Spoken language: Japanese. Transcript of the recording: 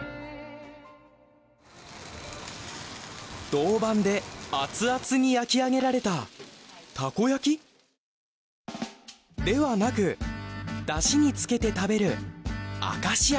銅板でアツアツに焼き上げられたたこ焼き？ではなくだしにつけて食べる。